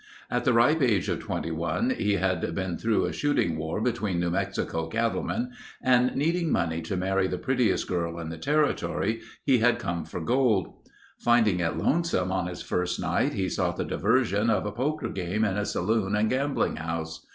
At the ripe age of 21 he had been through a shooting war between New Mexico cattle men, and needing money to marry the prettiest girl in the territory, he had come for gold. Finding it lonesome on his first night he sought the diversion of a poker game in a saloon and gambling house.